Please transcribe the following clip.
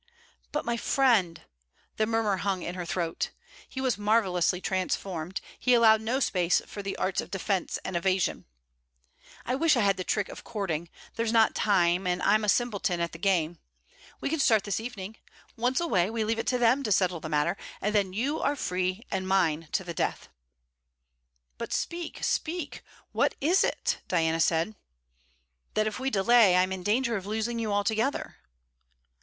'But my friend!' the murmur hung in her throat. He was marvellously transformed; he allowed no space for the arts of defence and evasion. 'I wish I had the trick of courting. There's not time; and I 'm a simpleton at the game. We can start this evening. Once away, we leave it to them to settle the matter, and then you are free, and mine to the death.' 'But speak, speak! What is it?' Diana said. 'That if we delay, I 'm in danger of losing you altogether.'